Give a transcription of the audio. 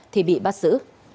thì bị bắt xử